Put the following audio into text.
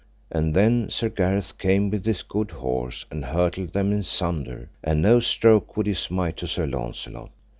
And then Sir Gareth came with his good horse and hurtled them in sunder, and no stroke would he smite to Sir Launcelot.